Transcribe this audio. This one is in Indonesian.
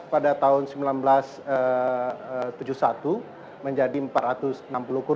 pada tahun seribu sembilan ratus tujuh puluh satu menjadi empat ratus enam puluh kur